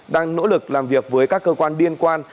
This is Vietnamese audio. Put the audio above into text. đang nỗ lực làm việc với các cơ quan liên quan